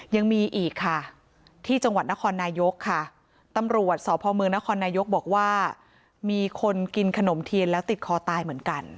ยังมีอีกค่ะที่จังหวัดนครนายกค่ะตำรวจสพมนครนายกบอกว่ามีคนกินขนมเทียนแล้วติดคอตายเหมือนกัน